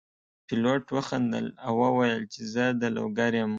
پیلوټ وخندل او وویل چې زه د لوګر یم.